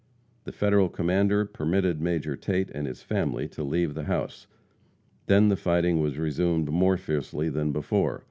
The Federal commander permitted Major Tate and his family to leave the house. Then the fighting was resumed more fiercely than before.